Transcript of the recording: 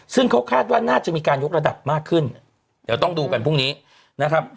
ซึ่งเขาคาดว่าน่าจะมีการยกระดับมากขึ้นเดี๋ยวต้องดูกันพรุ่งนี้นะครับ